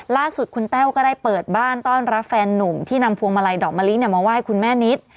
ล่าสุดคุณแต้วก็ได้เปิดบ้านต้อนรับแฟนนุ่มที่นำพวงมาลัยดอกมะลิมาไหว้คุณแม่นิด